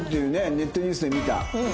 ネットニュースで見た。